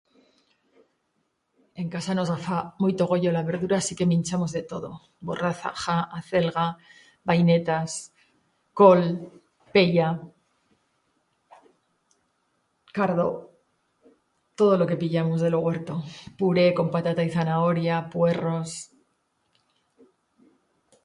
En casa nos a- fa muito goyo la verdura así que minchamos de todo, borraza -ja, acelga, vainetas, col, pella, cardo, todo lo que pillamos de lo huerto, puré con patata y zanahoria, puerros...